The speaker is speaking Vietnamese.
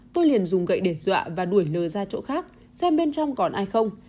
tôi liền dùng gậy để dọa và đuổi lờ ra chỗ khác xem bên trong còn ai không